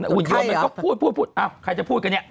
หุ่นยนต์มันก็พูดพูดพูดพูดอ้าวใครจะพูดกันเนี่ย